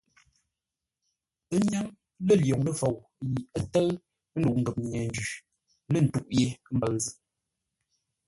Ə́ nyâŋ lə̂ lwoŋ ləfou yi ə́ tə́ʉ ndəu ngəp nye-njwi, lə̂ ntûʼ ye mbəʉ zʉ́.